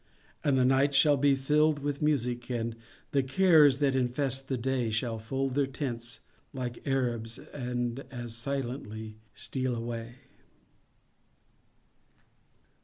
And the night shall be filled with music, And the cares that infest the day Shall fold their tents like the Arabs, And as silently steal away.